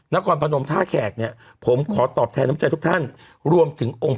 นครพนมท่าแขกเนี่ยผมขอตอบแทนน้ำใจทุกท่านรวมถึงองค์